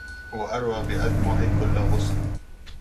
واروّي بأدمعي كلّ غصن